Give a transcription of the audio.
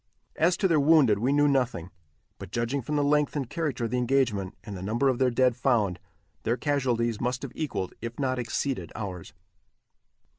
As to their wounded we knew nothing, but judging from the length and character of the engagement, and the number of their dead found, their casualties must have equalled, if not exceeded ours.